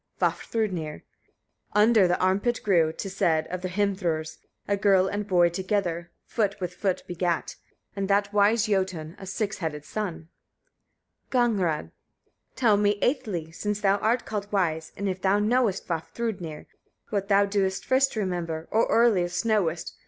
Vafthrûdnir. 33. Under the armpit grew, 'tis said, of the Hrîmthurs, a girl and boy together; foot with foot begat, of that wise Jötun, a six headed son. Gagnrâd. 34. Tell me eighthly, since thou art called wise, and if thou knowest, Vafthrûdnir! what thou doest first remember, or earliest knowest?